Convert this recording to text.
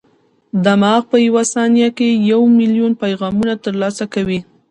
دماغ په یوه ثانیه کې یو ملیون پیغامونه ترلاسه کوي.